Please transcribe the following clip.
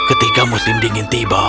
ketika musim dingin tiba